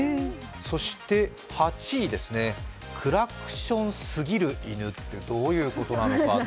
そして８位ですね、クラクションすぎる犬ってどういうことなのか。